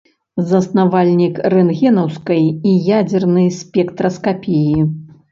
Заснавальнік рэнтгенаўскай і ядзернай спектраскапіі.